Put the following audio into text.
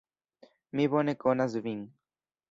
Mi bone konas Vin!